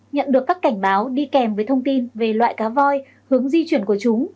nhận được các cảnh báo đi kèm với thông tin về loại cá voi hướng di chuyển của chúng